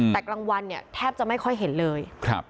แต่กลางวันเนี่ยแทบจะไม่ค่อยเห็นเลย